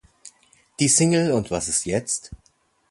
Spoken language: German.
Die Single "Und was ist jetzt?